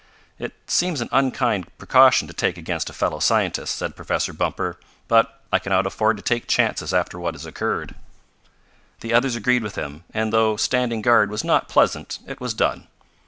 "It seems an unkind precaution to take against a fellow scientist," said Professor Bumper, "but I can not afford to take chances after what has occurred." The others agreed with him, and though standing guard was not pleasant it was done.